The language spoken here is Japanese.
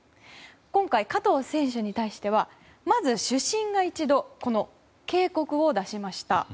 今回、加藤選手に対してはまず主審が１度、警告を出しました。